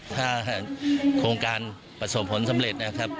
ถ้าโครงการประสบผลสำเร็จนะครับ